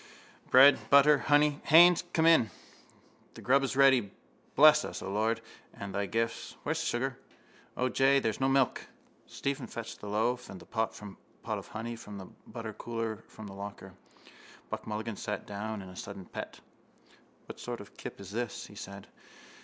Bread, butter, honey. Haines, come in. The grub is ready. Bless us, O Lord, and these thy gifts. Where's the sugar? O, jay, there's no milk. Stephen fetched the loaf and the pot of honey and the buttercooler from the locker. Buck Mulligan sat down in a sudden pet. —What sort of a kip is this? he said.